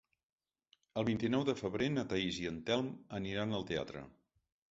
El vint-i-nou de febrer na Thaís i en Telm aniran al teatre.